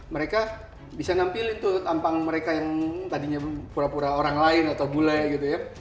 mereka bisa nampilin tuh tampang mereka yang tadinya pura pura orang lain atau bule gitu ya